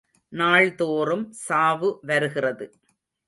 நாள்தோறும் சாவு வருகிறது.